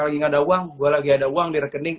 lagi nggak ada uang gue lagi ada uang di rekening